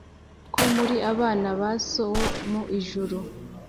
ko muri abana ba So wo mu ijuru